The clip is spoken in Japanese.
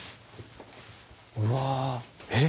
うわ。えっ？